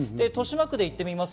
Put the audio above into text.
豊島区です。